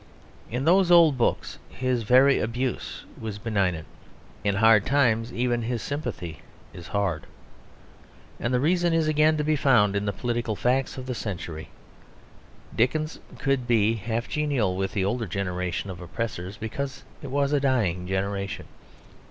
In those old books his very abuse was benignant; in Hard Times even his sympathy is hard. And the reason is again to be found in the political facts of the century. Dickens could be half genial with the older generation of oppressors because it was a dying generation.